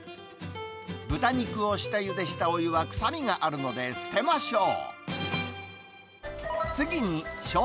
豚肉を下ゆでしたお湯は臭みがあるので捨てましょう。